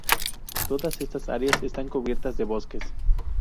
Todas estas áreas están cubiertas de bosques.